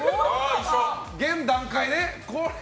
現段階ね。